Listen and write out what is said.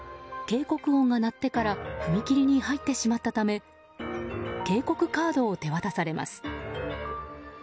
警告音が鳴ってから踏切に入ってしまったため警告カードを手渡されます。